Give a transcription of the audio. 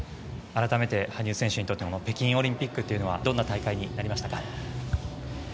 改めて羽生選手にとって北京オリンピックというものはどんな大会になりましたか？